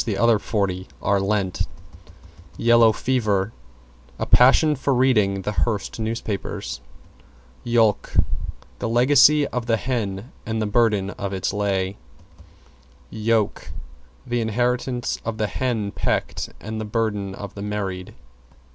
=YELLOW FEVER= A passion for reading the Hearst newspapers. =YOLK= The legacy of the hen and the burden of its lay. =YOKE= The inheritance of the hen pecked and the burden of the married.